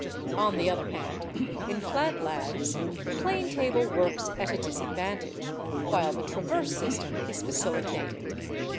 On the other hand, in flat lands the plane table works at a disadvantage, while the traverse system is facilitated.